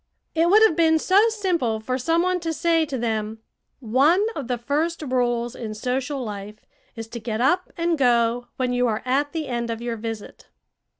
It would have been so simple for some one to say to them: "One of the first rules in social life is to get up and go when you are at the end of your visit."